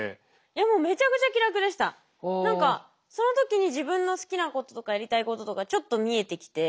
いやもう何かその時に自分の好きなこととかやりたいこととかちょっと見えてきて。